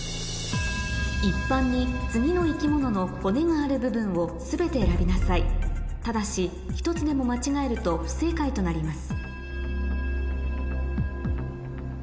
一般に次の生き物の骨がある部分を全て選びなさいただし１つでも間違えると不正解となります